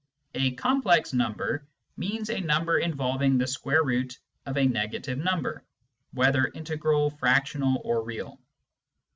A " complex " number means a number involving the square root of a negative number, whether integral, fractional, or real.